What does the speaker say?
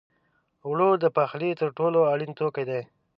اوړه د پخلي تر ټولو اړین توکي دي